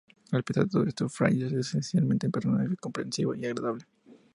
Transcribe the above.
A pesar de todo esto, Fraiser es esencialmente un personaje comprensivo y agradable.